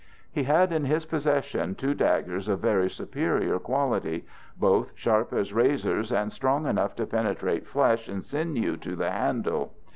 He had in his possession two daggers of very superior quality, both sharp as razors and strong enough to penetrate flesh and sinew to the handle.